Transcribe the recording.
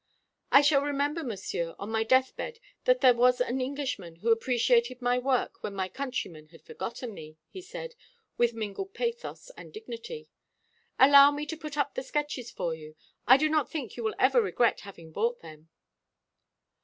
"I shall remember, Monsieur, on my death bed, that there was an Englishman who appreciated my work when my countrymen had forgotten me," he said, with mingled pathos and dignity. "Allow me to put up the sketches for you. I do not think you will ever regret having bought them."